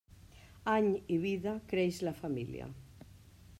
Any i vida, creix la família.